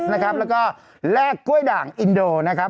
ยังไม่มีหน่อยแต่ว่ายังอยู่ดีอยู่